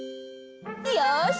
よし！